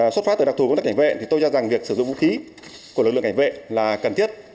xuất phát từ đặc thù công tác cảnh vệ thì tôi cho rằng việc sử dụng vũ khí của lực lượng cảnh vệ là cần thiết